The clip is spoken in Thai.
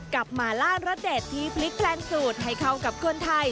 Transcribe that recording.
หมาล่ารสเด็ดที่พลิกแปลงสูตรให้เข้ากับคนไทย